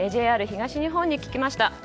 ＪＲ東日本に聞きました。